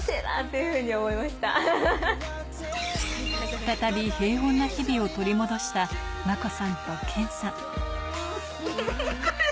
再び平穏な日々を取り戻した真子さんと謙さん。